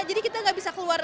jadi kita gak bisa keluar